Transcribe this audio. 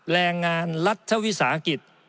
แรงงานรัฐวิสาหกิจ